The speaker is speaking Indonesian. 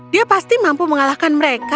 dia pasti mampu mengalahkan mereka